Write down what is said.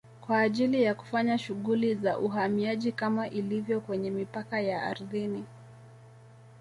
kwa ajili ya kufanya shughuli za uhamiaji kama ilivyo kwenye mipaka ya ardhini